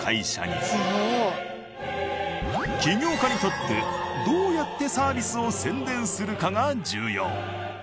起業家にとってどうやってサービスを宣伝するかが重要。